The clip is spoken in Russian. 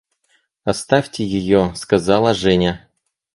– Оставьте ее, – сказала Женя.